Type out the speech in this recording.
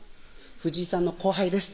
藤井さんの後輩です